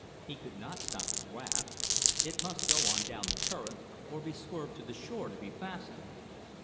He could not stop his raft. It must go on down the current, or be swerved to the shore, to be fastened.